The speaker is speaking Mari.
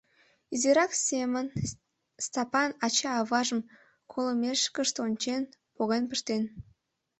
Изирак семын, Стапан ача-аважым колымешкышт ончен, поген пыштен.